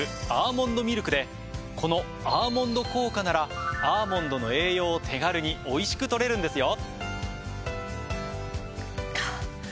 この「アーモンド効果」ならアーモンドの栄養を手軽においしく取れるんですよ。